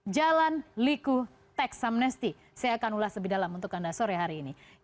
jalan liku teks amnesti saya akan ulas lebih dalam untuk anda sore hari ini